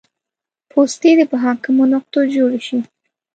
پوستې دې په حاکمو نقطو جوړې شي